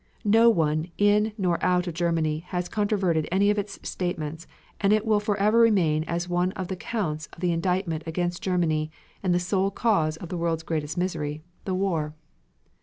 No one in nor out of Germany has controverted any of its statements and it will forever remain as one of the counts in the indictment against Germany and the sole cause of the world's greatest misery, the war.